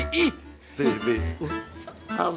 biasanya dipanggil bang p i